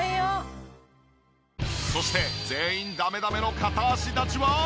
そして全員ダメダメの片足立ちは。